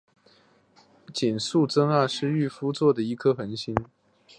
井宿增二是御夫座的一颗恒星。